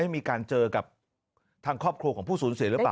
มีการเจอกับทางครอบครัวของผู้สูญเสียหรือเปล่า